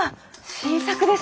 新作ですか？